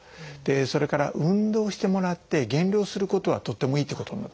それから運動してもらって減量することはとってもいいっていうことになる。